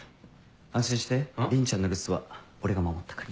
安心して倫ちゃんの留守は俺が守ったから。